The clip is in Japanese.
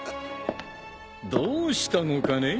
どうしたのかね？